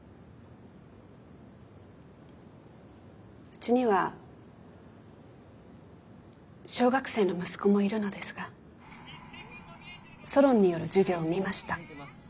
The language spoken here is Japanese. うちには小学生の息子もいるのですがソロンによる授業を見ました。